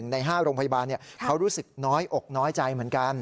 ใน๕โรงพยาบาลเขารู้สึกน้อยอกน้อยใจเหมือนกัน